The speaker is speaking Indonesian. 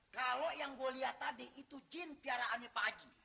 kalau yang gue lihat tadi itu jin tiaraannya pak aci